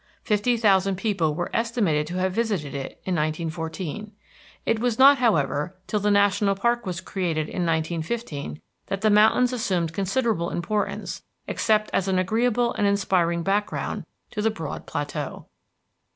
Fifty thousand people were estimated to have visited it in 1914. It was not, however, till the national park was created, in 1915, that the mountains assumed considerable importance except as an agreeable and inspiring background to the broad plateau.